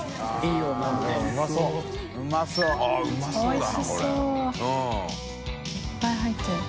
いっぱい入ってる。